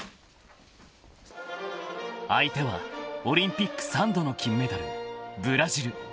［相手はオリンピック３度の金メダルブラジル］